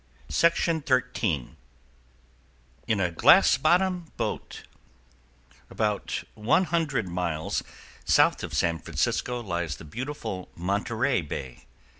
In a Glass bottom Boat About one hundred miles south of San Francisco lies the beautiful Monterey Bay.